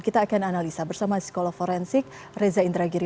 kita akan analisa bersama psikolog forensik reza indragiri